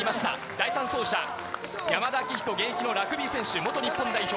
第３走者、山田章仁、現役のラグビー選手、元日本代表。